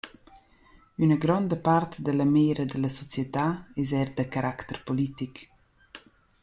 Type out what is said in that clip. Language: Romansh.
Üna gronda part da la mera da la società es eir da caracter politic.